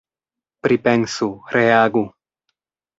Pripensu, reagu.